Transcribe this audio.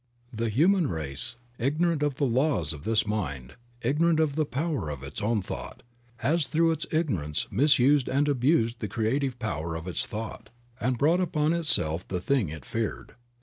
The human race, ignorant of the laws of this mind, ignorant of the power of its own thought, has through its ignorance misused and abused the creative power of its thought, and brought upon itself the thing it feared.